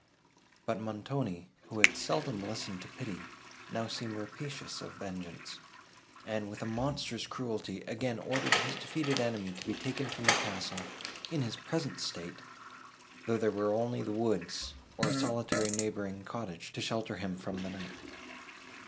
But Montoni, who had seldom listened to pity, now seemed rapacious of vengeance, and, with a monster's cruelty, again ordered his defeated enemy to be taken from the castle, in his present state, though there were only the woods, or a solitary neighbouring cottage, to shelter him from the night.